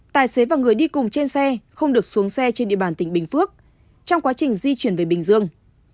tài xế và người đi cùng trên xe không được xuống xe trên địa bàn tỉnh bình phước trong quá trình di chuyển về bình dương